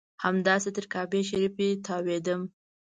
همداسې تر کعبې شریفې تاوېدم.